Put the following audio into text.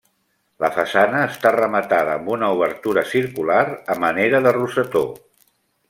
La façana està rematada amb una obertura circular, a manera de rosetó.